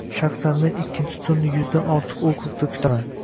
Shaxsan men ikkinchi turni yuzdan ortiq okrugda kutaman